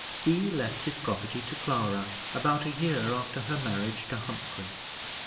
He left his property to Clara, about a year after her marriage to Humphrey.